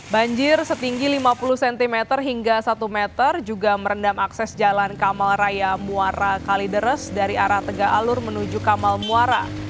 banjir setinggi lima puluh cm hingga satu meter juga merendam akses jalan kamal raya muara kalideres dari arah tegak alur menuju kamal muara